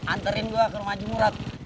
anterin gue ke rumah jumurat